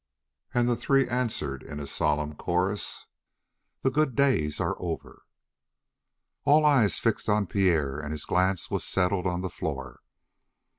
And the three answered in a solemn chorus: "The good days are over." All eyes fixed on Pierre, and his glance was settled on the floor.